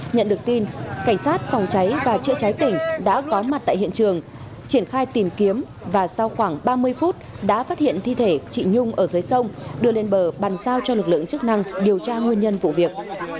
nhận được tin cảnh sát phòng cháy và chữa cháy tỉnh đã có mặt tại hiện trường triển khai tìm kiếm và sau khoảng ba mươi phút đã phát hiện thi thể chị nhung ở dưới sông đưa lên bờ bàn giao cho lực lượng chức năng điều tra nguyên nhân vụ việc